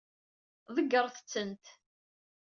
Ḍeggṛet-tent.